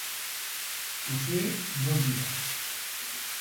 Posee dos vías.